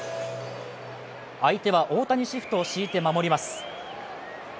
相手は大谷シフトを敷いて守ります。